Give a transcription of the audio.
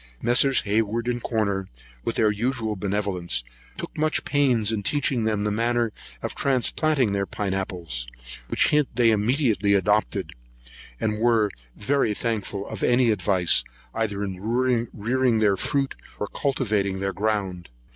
Messrs. Hayward and Corner, with their usual benevolence, took much pains in teaching them the manner of transplanting their pine apples; which hint they immediately adopted, and were very thankful for any advice, either in rearing their fruit, or cultivating their ground.